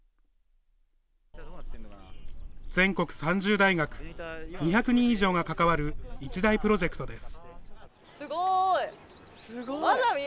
全国３０大学２００人以上が関わる一大プロジェクトです。